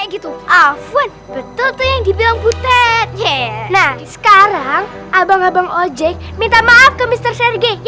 gitu betul yang dibilang putet nah sekarang abang abang ojek minta maaf ke mister sergei